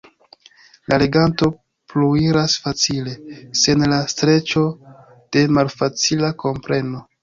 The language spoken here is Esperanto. La leganto pluiras facile, sen la streĉo de malfacila kompreno.